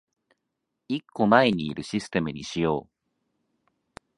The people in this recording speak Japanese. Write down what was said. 一個前にいるシステムにしよう